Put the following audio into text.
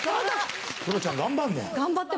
黒ちゃん頑張るね。